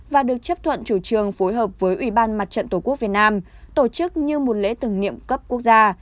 và được chấp thuận chủ trương phối hợp với ubnd tp hcm tổ chức như một lễ tưởng niệm cấp quốc gia